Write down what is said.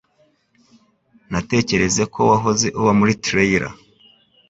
Natekerezaga ko wahoze uba muri trailer.